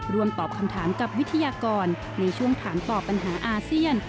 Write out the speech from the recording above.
ตอบคำถามกับวิทยากรในช่วงถามต่อปัญหาอาเซียน